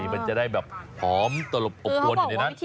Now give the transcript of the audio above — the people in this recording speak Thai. มันจะได้มาหอมตระหลบโอปกวนอยู่ในนั้น